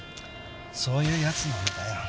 そういうやつなんだよ。